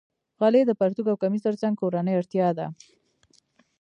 غلۍ د پرتوګ او کمیس تر څنګ کورنۍ اړتیا ده.